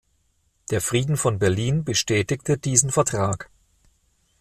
Der Frieden von Berlin bestätigte diesen Vertrag.